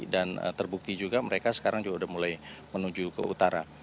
dan terbukti juga mereka sekarang juga sudah mulai menuju ke utara